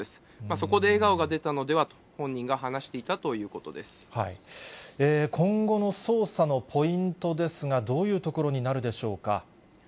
そこで笑顔が出たのではと本人が今後の捜査のポイントですが、どういうところになるでしょうか。